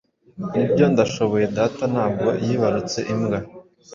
Nibyo ndashoboye data ntabwo yibarutse imbwa